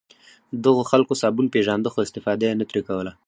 دغو خلکو صابون پېژانده خو استفاده یې نه ترې کوله.